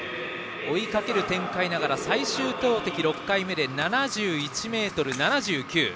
追いかける展開ながら最終投てきの６回目で７１ｍ７９。